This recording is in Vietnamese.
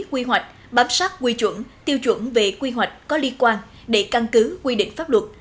quy hoạch bám sát quy chuẩn tiêu chuẩn về quy hoạch có liên quan để căn cứ quy định pháp luật